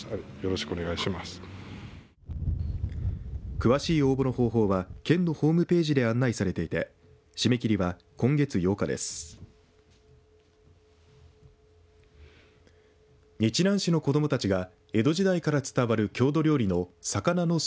詳しい応募の方法は県のホームページで案内されていて締め切りは今月８日です。